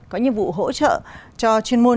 có nhiệm vụ hỗ trợ cho chuyên môn